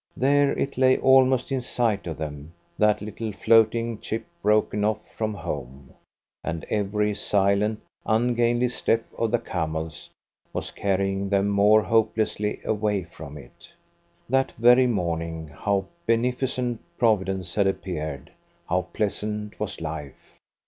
There it lay almost in sight of them, that little floating chip broken off from home, and every silent, ungainly step of the camels was carrying them more hopelessly away from it. That very morning how beneficent Providence had appeared, how pleasant was life!